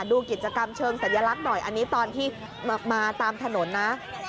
ดูกิจกรรมเชิงสัญลักษณ์หน่อยอันนี้ตอนที่มาตามถนนนะ